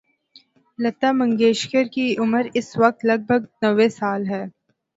لتا منگیشکر کی عمر اس وقت لگ بھگ نّوے سال ہے۔